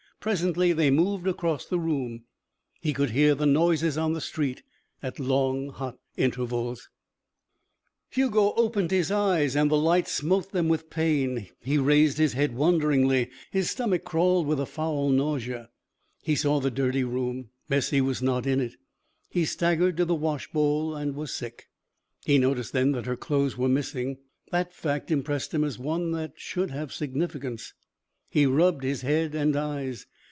Presently they moved across the room. He could hear the noises on the street at long, hot intervals. Hugo opened his eyes and the light smote them with pain. He raised his head wonderingly. His stomach crawled with a foul nausea. He saw the dirty room. Bessie was not in it. He staggered to the wash bowl and was sick. He noticed then that her clothes were missing. The fact impressed him as one that should have significance. He rubbed his head and eyes.